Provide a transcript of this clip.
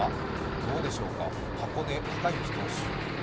どうでしょうか、箱根崇行投手。